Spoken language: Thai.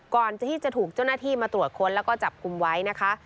ก่อนที่จะถูกเจ้าหน้าที่มาตรวจค้นแล้วก็จับกลุ่มไว้นะคะ